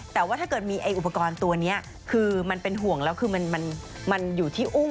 ทำไมพี่ไม่เคยได้ใช้เลยอะมันอยู่ที่ญี่ปุ่น